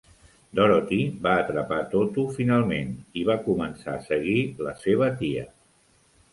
Dorothy va atrapar Toto finalment i va començar a seguir la seva tia.